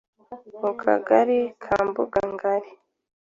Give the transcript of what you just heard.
mu Kagali ka Mbugangali.